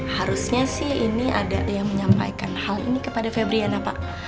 harusnya sih ini ada yang menyampaikan hal ini kepada febriana pak